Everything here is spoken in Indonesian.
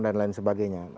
dan lain sebagainya